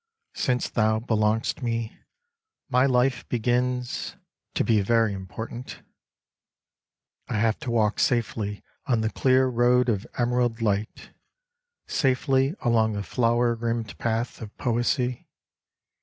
Since thou belongst me, my life begins Homekotoba ^ 55 To be very important ; I have to walk Safely on the clear road of emerald light, Safely along the flower rimmed path of poesy.